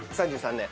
３３年。